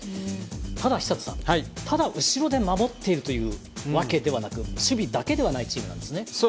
ただ、寿人さんただ後ろで守っているというわけではなく守備だけではないそうですね。